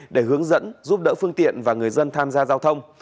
để hướng dẫn giúp đỡ phương tiện và người dân tham gia giao thông